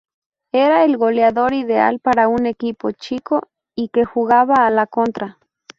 Era el goleador ideal para un equipo chico y que jugaba a la contra.